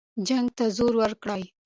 جنګ ته زور ورکړه.